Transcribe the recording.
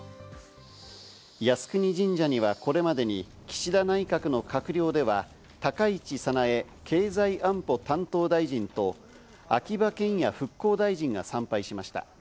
靖国神社にはこれまでに岸田内閣の閣僚では、高市早苗経済安保担当相と秋葉賢也復興大臣が参拝しました。